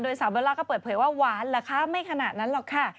สาวเบลล่าก็เปิดเผยว่าหวานเหรอคะไม่ขนาดนั้นหรอกค่ะ